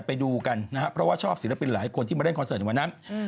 เพราะว่าชอบสิริปนิกหลายคนที่มาเล่นคอนเซอร์ตหรือวันนั้น